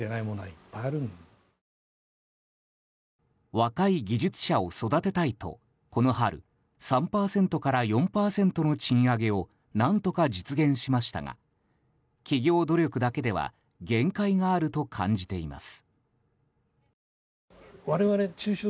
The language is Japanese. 若い技術者を育てたいとこの春３％から４％の賃上げを何とか実現しましたが企業努力だけでは限界があると感じています。